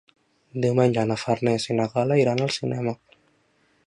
Diumenge na Farners i na Gal·la iran al cinema.